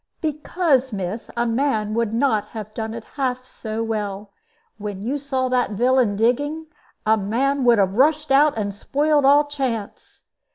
"Because, miss, a man would not have done it half so well. When you saw that villain digging, a man would have rushed out and spoiled all chance.